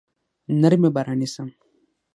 نرمي به رانیسم.